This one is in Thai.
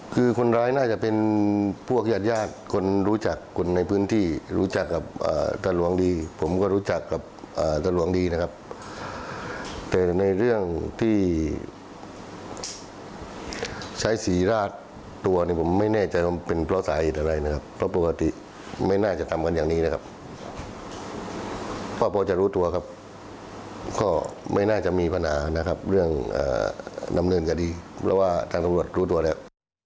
ก็ไม่น่าจะมีปัญหานะครับเรื่องนำเนินก็ดีเพราะว่าทางตรวจรู้ตัวแล้ว